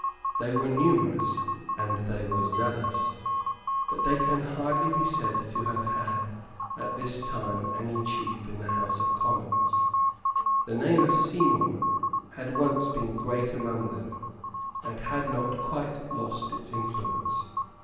They were numerous; and they were zealous; but they can hardly be said to have had, at this time, any chief in the House of Commons. The name of Seymour had once been great among them, and had not quite lost its influence.